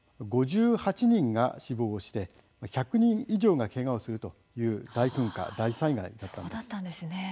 ５８人が死亡して１００人以上がけがをするという大噴火、大災害だったんです。